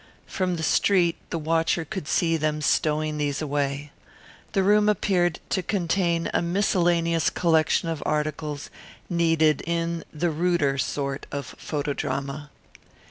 From the street the watcher could see them stowing these away. The room appeared to contain a miscellaneous collection of articles needed in the ruder sort of photodrama.